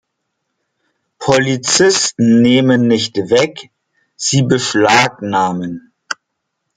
Polizisten nehmen nicht weg, sie beschlagnahmen.